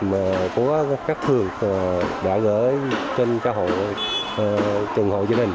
mà có các thường đã gửi trên ca hộ trường hộ gia đình